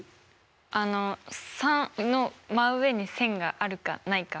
あの３の真上に線があるかないか。